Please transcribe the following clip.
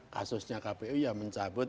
kasusnya kpu ya mencabut